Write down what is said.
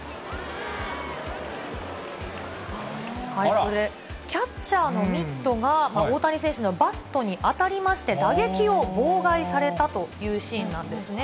これ、キャッチャーのミットが大谷選手のバットに当たりまして、打撃を妨害されたというシーンなんですね。